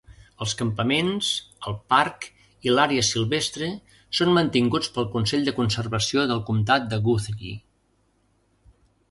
Els campaments, el parc i l'àrea silvestre són mantinguts pel Consell de Conservació del Comtat de Guthrie.